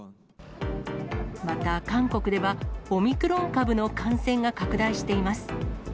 また、韓国ではオミクロン株の感染が拡大しています。